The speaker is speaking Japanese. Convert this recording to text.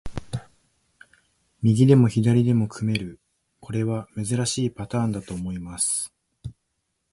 右でも左でも組める、これは珍しいパターンだと思います。